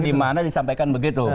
di mana disampaikan begitu